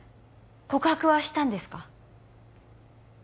告白はしたんですか？